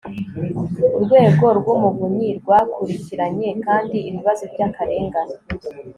urwego rw'umuvunyi rwakurikiranye kandi ibibazo by'akarengane